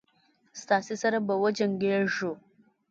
ستاسي سره به وجنګیږو.